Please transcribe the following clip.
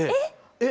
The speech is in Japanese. えっ！